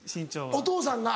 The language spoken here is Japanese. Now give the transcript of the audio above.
お父さんが。